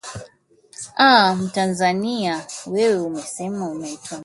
a mtanzania wewe umesema unaitwa nani